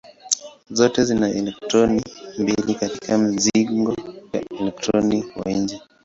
Zote zina elektroni mbili katika mzingo elektroni wa nje.